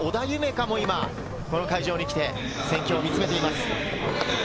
海も今、この会場に来て戦況を見つめています。